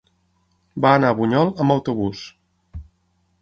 Va anar a Bunyol amb autobús.